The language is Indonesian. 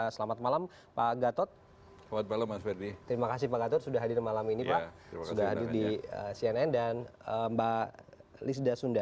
selamat malam mbak yuni